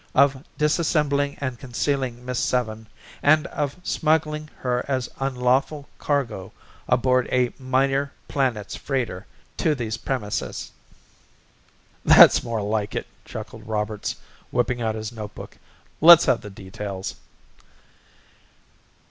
of disassembling and concealing Miss Seven, and of smuggling her as unlawful cargo aboard a Minor Planets freighter to these premises." "That's more like it," chuckled Roberts, whipping out his notebook. "Let's have the details."